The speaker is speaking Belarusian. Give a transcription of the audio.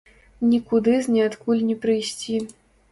Нікуды з ніадкуль не прыйсці.